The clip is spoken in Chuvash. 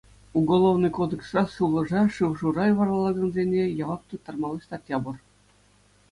Уголовнӑй кодексра сывлӑша, шыв-шура варалакансене явап тыттармалли статья пур.